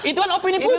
itu kan opini publik